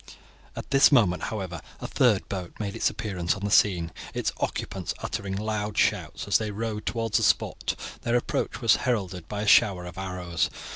At this moment, however, a third boat made its appearance on the scene, its occupants uttering loud shouts. As they rowed towards the spot their approach was heralded by a shower of arrows.